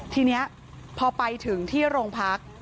ทีนี้พอไปถึงที่โรงพัก